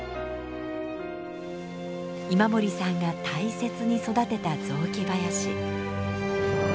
今森さんが大切に育てた雑木林。